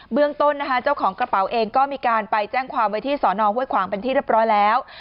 เรื่องต้นนะคะเจ้าของกระเป๋าเองก็มีการไปแจ้งความไว้ที่สอนอห้วยขวางเป็นที่เรียบร้อยแล้ว